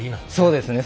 そうですね